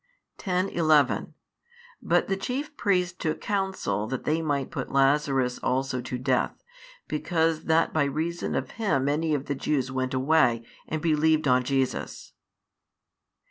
10, 11 But the chief priests took counsel that they might put Lazarus also to death; because that by reason of him many of the Jews went away, and believed on Jesus.